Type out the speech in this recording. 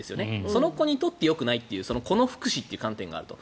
その子にとってよくないというこの福祉という観点があると。